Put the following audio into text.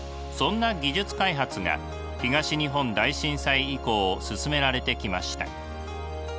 そんな技術開発が東日本大震災以降進められてきました。